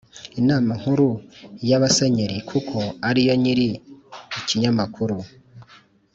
inama nkuru y’abasenyeri kuko ariyo nyiri ikinyamakuru